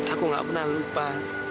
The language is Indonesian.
aku gak pernah lupa